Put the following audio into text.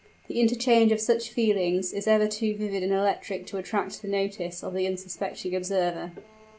The interchange of such feelings is ever too vivid and electric to attract the notice of the unsuspecting observer.